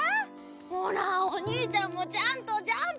ほらおにいちゃんもちゃんとジャンプして！